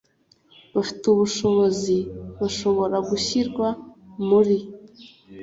bafite ubushobozi bashobora gushyirwa muri